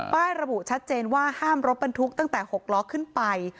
ป้ายระบุชัดเจนว่าห้ามรถเป็นทุกข์ตั้งแต่๖ล้อขึ้นไป